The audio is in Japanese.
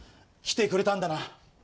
来てくれたんだな。